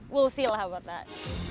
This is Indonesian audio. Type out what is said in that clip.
we'll see lah bapak bapak